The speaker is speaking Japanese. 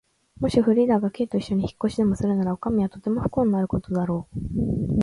もしフリーダが Ｋ といっしょに引っ越しでもするなら、おかみはとても不幸になることだろう。